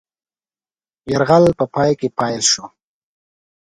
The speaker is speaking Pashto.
یرغل په پای کې پیل شو.